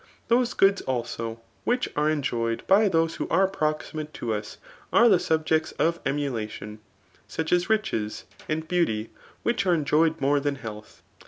Those goods also which are enjoyed by those who are proximate to us, are the subjects of emu btion; such as riches and beauty, which are enjoyed more than health.